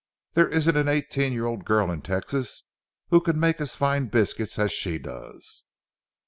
There isn't an eighteen year old girl in Texas who can make as fine biscuits as she does.